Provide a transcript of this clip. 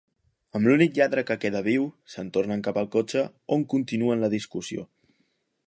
Amb l'únic lladre que queda viu, se'n tornen cap al cotxe, on continuen la discussió.